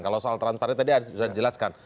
kalau soal transparan tadi sudah dijelaskan